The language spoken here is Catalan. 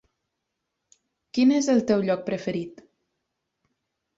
Quin és el teu lloc preferit?